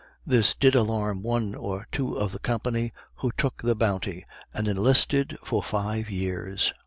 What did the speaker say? This did alarm one or two of the company, who took the bounty and enlisted for five years.